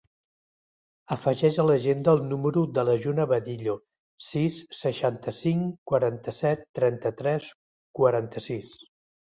Afegeix a l'agenda el número de la Juna Vadillo: sis, seixanta-cinc, quaranta-set, trenta-tres, quaranta-sis.